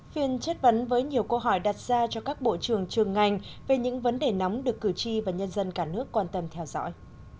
phiên chất vấn với nhiều câu hỏi đặt ra cho các bộ trưởng trường ngành về những vấn đề nóng được cử tri và nhân dân cả nước quan tâm theo dõi